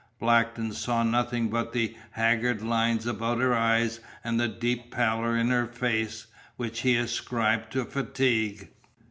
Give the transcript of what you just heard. Blackton saw nothing but the haggard lines about her eyes and the deep pallor in her face, which he ascribed to fatigue.